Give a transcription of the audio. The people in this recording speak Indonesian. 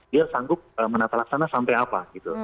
dia sanggup menata laksana sampai apa gitu